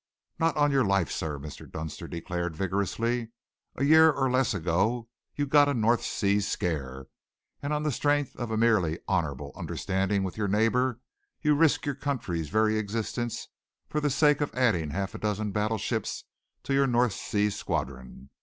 "Not on your life, sir," Mr. Dunster declared vigorously. "A year or less ago you got a North Sea scare, and on the strength of a merely honourable understanding with your neighbour, you risk your country's very existence for the sake of adding half a dozen battleships to your North Sea Squadron.